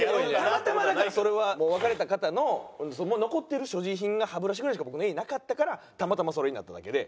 もう別れた方の残ってる所持品が歯ブラシぐらいしか僕の家になかったからたまたまそれになっただけで。